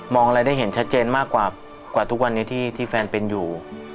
อะไรได้เห็นชัดเจนมากกว่าทุกวันนี้ที่แฟนเป็นอยู่